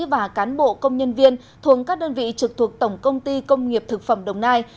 và cán bộ công nhân viên thuộc các đơn vị trực thuộc tổng công ty công nghiệp thực phẩm đồng nai